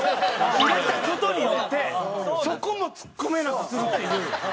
入れた事によってそこもツッコめなくするっていう。